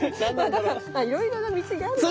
だからいろいろな道があるわけです